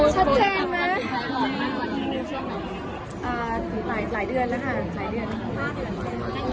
ชัดชินน่ะอ่าร้ายเดือนแล้วค่ะร้ายเดือน